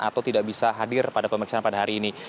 atau tidak bisa hadir pada pemeriksaan pada hari ini